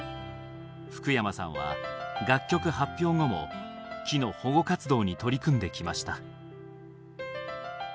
福山さんは楽曲発表後も木の保護活動に取り組んできました。